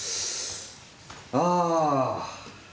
ああ。